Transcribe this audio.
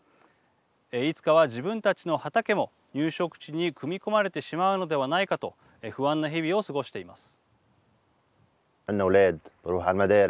いつかは自分たちの畑も入植地に組み込まれてしまうのではないかと不安な日々を過ごしています。